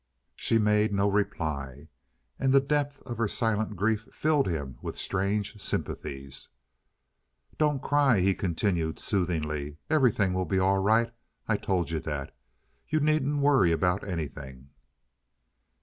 She made no reply, and the depth of her silent grief filled him with strange sympathies. "Don't cry," he continued soothingly; "everything will be all right. I told you that. You needn't worry about anything."